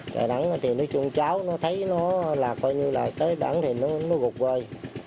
chạy đẳng thì nói chung cháu nó thấy nó là coi như là cái đẳng thì nó gục vơi